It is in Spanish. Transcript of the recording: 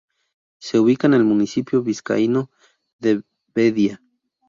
Se ubica en el municipio vizcaíno de Bedia.